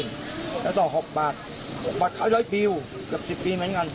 แล้วต่อ๖บาทขาย๑๐๐บิลเกือบ๑๐บิลเหมือนกัน